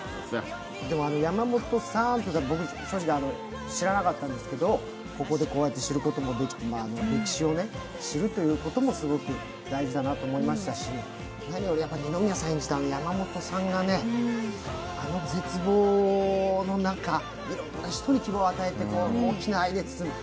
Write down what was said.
山本さんとか、僕、知らなかったんですけど、ここでこうやって知ることもできて、歴史を知るということもすごく大事だなと思いましたし、何より二宮さんが演じた山本さんがね、あの絶望の中、いろんな人に希望を与えて大きな愛で包む。